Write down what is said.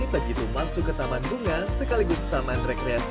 begitu masuk ke taman bunga sekaligus taman rekreasi